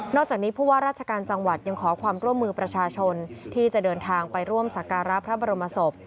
จากนี้ผู้ว่าราชการจังหวัดยังขอความร่วมมือประชาชนที่จะเดินทางไปร่วมสักการะพระบรมศพ